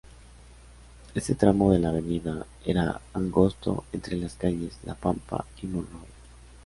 Este tramo de la avenida era angosto entre las calles La Pampa y Monroe.